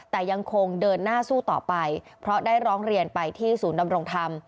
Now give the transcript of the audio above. แต่ยังคงเดินหน้าสู้ต่อไปเพราะได้ร้องเรียนไปที่ศูนย์ดำรงธรรม